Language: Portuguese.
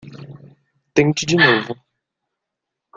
Tente de novo.